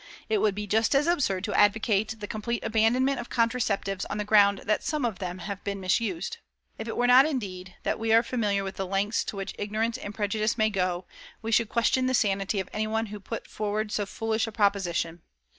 It would be just as absurd to advocate the complete abandonment of contraceptives on the ground that some of them have been misused. If it were not, indeed, that we are familiar with the lengths to which ignorance and prejudice may go we should question the sanity of anyone who put forward so foolish a proposition.